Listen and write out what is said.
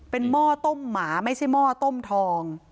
เป็นหม้อต้มหมาไม่ใช่หม้อต้มทอง